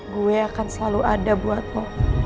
gue akan selalu ada buat lo